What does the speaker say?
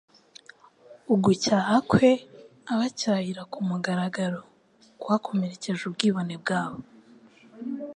Ugucyaha kwe abacyahira kumugaragaro kwakomerekeje ubwibone bwabo